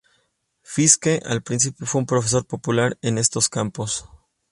Fiske al principio fue un profesor popular en estos campos.